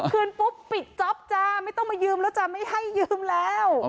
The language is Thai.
คืนปุ๊บปิดจ๊อปจ้าไม่ต้องมายืมแล้วจ้ะไม่ให้ยืมแล้ว